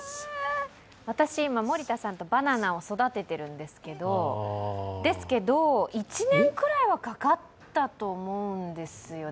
私、今、森田さんとバナナを育ててるんですけど、１年くらいはかかったと思うんですよね。